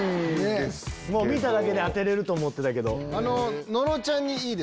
見ただけで当てれると思ってたけど。